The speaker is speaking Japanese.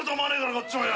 こっちもよ。